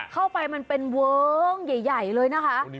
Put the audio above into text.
เข้าไปมันเป็นเวิ้งใหญ่เลยนะคะ